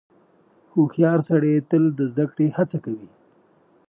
• هوښیار سړی تل د زدهکړې هڅه کوي.